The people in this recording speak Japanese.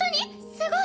すごい！